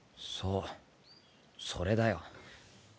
そうそれだよ。